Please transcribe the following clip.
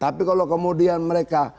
tapi kalau kemudian mereka